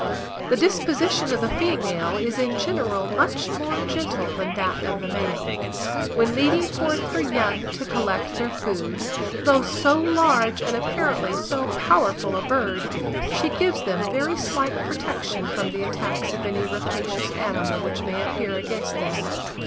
The disposition of the female is in general much more gentle than that of the male. When leading forth her young to collect their food, though so large and apparently so powerful a bird, she gives them very slight protection from the attacks of any rapacious animal which may appear against them.